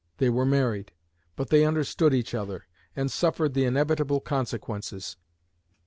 They were married; but they understood each other, and suffered the inevitable consequences.